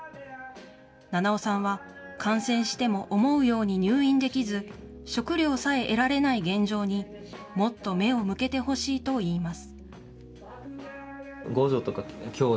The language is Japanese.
七尾さんは感染しても、思うように入院できず、食料さえ得られない現状に、もっと目を向けてほしいといいます。